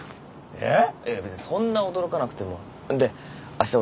えっ？